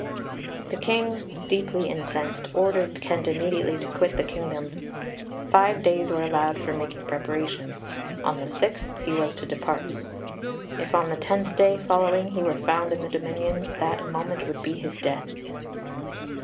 The King, deeply incensed, ordered Kent immediately to quit the kingdom; five days were allowed for making preparations; on the sixth he was to depart. If on the tenth day following he were found in the dominions, that moment would be his death.